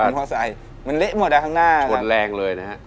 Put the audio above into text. มอไซค์มันเละหมดอ่ะข้างหน้าชนแรงเลยนะฮะ